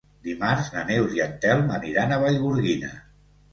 Dimarts na Neus i en Telm aniran a Vallgorguina.